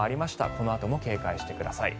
このあとも警戒してください。